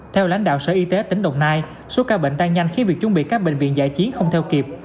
theo lãnh đạo sở y tế tỉnh đồng nai số ca bệnh tăng nhanh khiến việc chuẩn bị các bệnh viện giải chiến không theo kịp